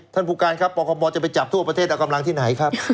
ผู้การครับปคมจะไปจับทั่วประเทศเอากำลังที่ไหนครับ